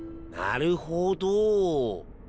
なるほど。